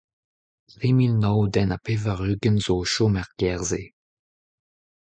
Tri mil nav den ha pevar-ugent zo o chom er gêr-se.